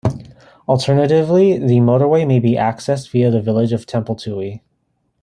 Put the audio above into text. Alternatively, the motorway may be accessed via the village of Templetuohy.